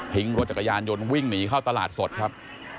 รถจักรยานยนต์วิ่งหนีเข้าตลาดสดครับ